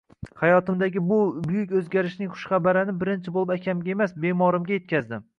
Hayotimdagi bu buyuk o`zgarishning xushxabarini birinchi bo`lib akamga emas, bemorimga etkazdim